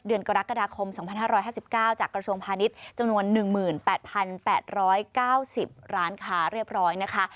เดือนกรกฎาคม๒๕๕๙จากกระทรวงพาณิชย์จำนวน๑๘๘๙๐ร้านค้าเรียบร้อยนะคะ